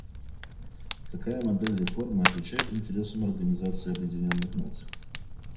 Какая модель реформы отвечает интересам Организации Объединенных Наций?